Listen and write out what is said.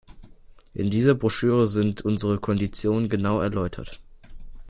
In dieser Broschüre sind unsere Konditionen genau erläutert.